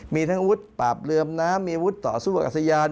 มีทั้งวุฒิปราบเรืออำน้ำมีวุฒิต่อสู้กับสยาน